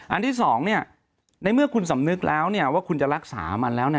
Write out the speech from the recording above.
อันที่๒ในเมื่อคุณสำนึกแล้วว่าคุณจะรักษามันแล้ว